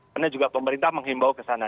karena juga pemerintah menghimbau kesana